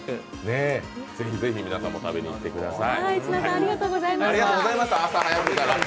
ぜひぜひ皆さんも食べにいってみてください。